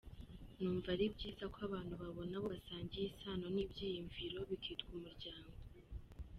Numva ari byiza ko abantu babona abo basangiye isano n’ibyiyumviro, bikitwa umuryango.